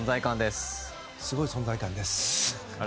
すごい存在感です。